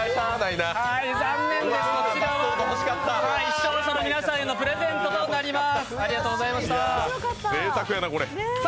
残念です、こちらは視聴者の皆さんへのプレゼントとなります。